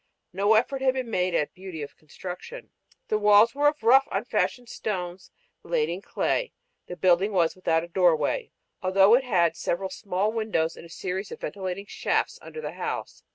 No effort had been made at beauty of construction. The walls were of rough, unfashioned stones laid in clay. The building was without a doorway, although it had several small windows and a series of ventilating shafts under the house.